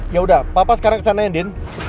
ya udah papa sekarang kesana ya din